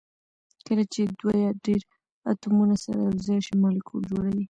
کله چې دوه یا ډیر اتومونه سره یو ځای شي مالیکول جوړوي